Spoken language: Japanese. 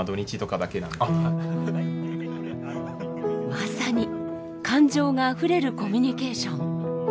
まさに感情があふれるコミュニケーション。